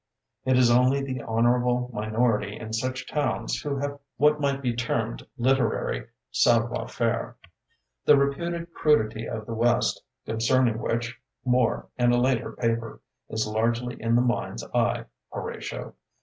It is only the honorable minor ity in such towns who have what might be termed literary savoir faire. The reputed crudity of the west (concerning which, more in a later paper) is largely in the mind's eye, Horatio.